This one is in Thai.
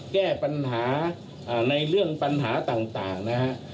แก้ปัญหาในเรื่องปัญหาต่างนะฮะ